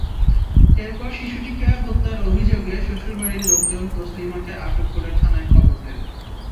এরপর শিশুটিকে হত্যার অভিযোগে শ্বশুরবাড়ির লোকজন তাসলিমাকে আটক করে থানায় খবর দেন।